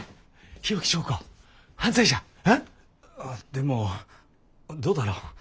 でもどうだろう。